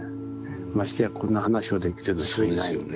ましてやこんな話をできるような人はいないんで。